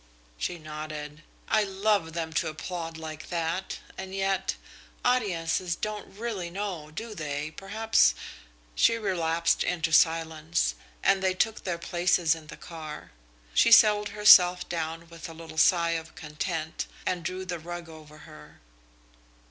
She nodded. "I love them to applaud like that, and yet audiences don't really know, do they? Perhaps " She relapsed into silence, and they took their places in the car. She settled herself down with a little sigh of content and drew the rug over her.